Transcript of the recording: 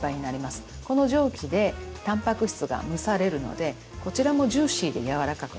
この蒸気でたんぱく質が蒸されるのでこちらもジューシーでやわらかくなる。